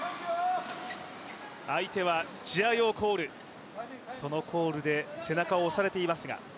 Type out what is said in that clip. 相手はジャーヨーコール、そのコールで背中を押されていますが。